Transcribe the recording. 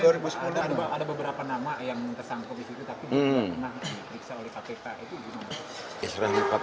ada beberapa nama yang tersangkut di situ tapi tidak pernah diiksa oleh kpk